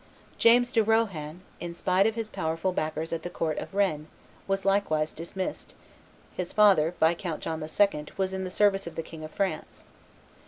James de Rohan, in spite of his powerful backers at the court of Rennes, was likewise dismissed; his father, Viscount John II., was in the service of the King of France.